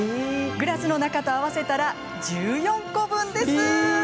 グラスの中と合わせたら１４個分です。